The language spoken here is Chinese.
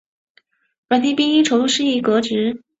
阮廷宾因筹度失宜革职。